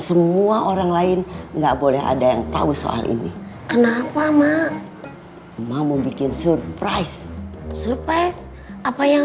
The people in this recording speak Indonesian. semua orang lain enggak boleh ada yang tahu soal ini kenapa mak mau bikin surprise surprise apa yang